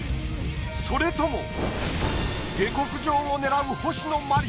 それとも下克上を狙う星野真里